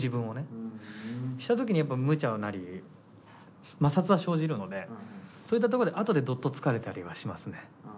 そうした時にやっぱむちゃなり摩擦は生じるのでそういったとこで後でドッと疲れたりはしますね。